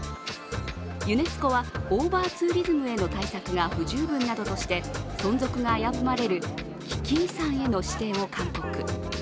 ユネスコは、オーバーツーリズムへの対策が不十分などとして存続が危ぶまれる危機遺産への指定を勧告。